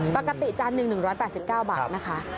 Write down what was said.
จานหนึ่ง๑๘๙บาทนะคะ